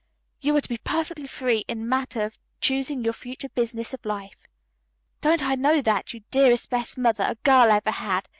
You are to be perfectly free in the matter of choosing your future business of life." "Don't I know that, you dearest, best mother a girl ever had!"